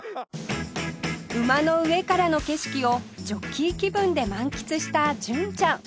馬の上からの景色をジョッキー気分で満喫した純ちゃん